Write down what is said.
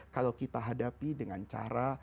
kalau kita hadapi dengan cara